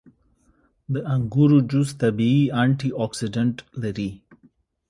• د انګورو جوس طبیعي انټياکسیدنټ لري.